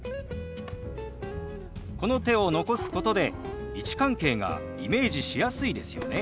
この手を残すことで位置関係がイメージしやすいですよね。